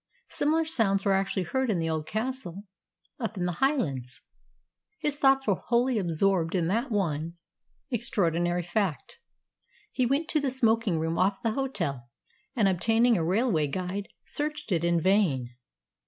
Similar sounds were actually heard in the old castle up in the Highlands! His thoughts were wholly absorbed in that one extraordinary fact. He went to the smoking room of the hotel, and, obtaining a railway guide, searched it in vain.